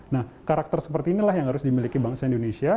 nah karakter seperti inilah yang harus dimiliki bangsa indonesia